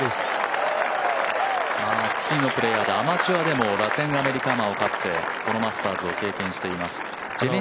チリのプレーヤーでアマチュアでもラテンアメリカ・アマを勝ってこのマスターズを経験していますう。